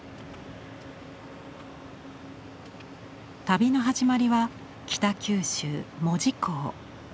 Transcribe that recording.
旅の始まりは北九州門司港。